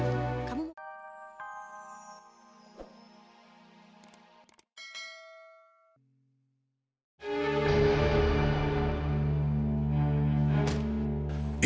itu prabu jaya mau kemana dia